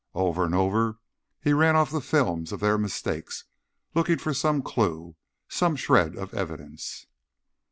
Over and over he ran off the films of their mistakes, looking for some clue, some shred of evidence.